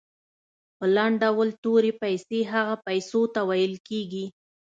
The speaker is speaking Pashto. په لنډ ډول تورې پیسې هغو پیسو ته ویل کیږي.